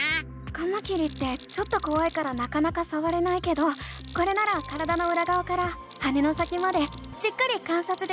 カマキリってちょっとこわいからなかなかさわれないけどこれなら体のうらがわから羽の先までじっくり観察できるね！